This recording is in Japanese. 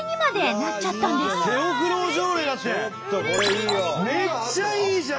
めっちゃいいじゃん！